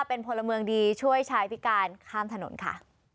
เป็นพลเมืองดีช่วยชายพิการข้ามถนนค่ะ